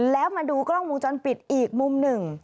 แล้วมาดูกล้องวงจรปิดอีกมุมหนึ่ง